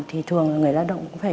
thì thường người lao động cũng phải